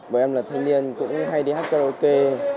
bọn em là thanh niên cũng hay đi hát karaoke